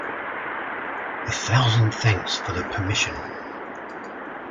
A thousand thanks for the permission.